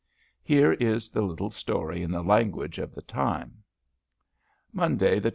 Here is the little story in the language of the time: "Munday the 25.